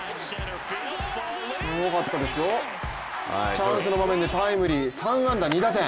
すごかったですよ、チャンスの場面でタイムリー、３安打２打点。